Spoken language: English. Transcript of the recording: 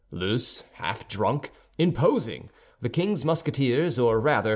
Loose, half drunk, imposing, the king's Musketeers, or rather M.